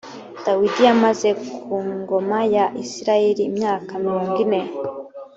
dawidi yamaze ku ngoma ya isirayeli imyaka mirongo ine